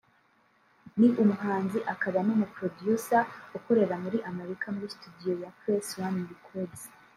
Ni umuhanzi akaba n’umuproducer ukorera muri Amerika muri studio ya Press One Records